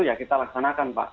ya kita laksanakan pak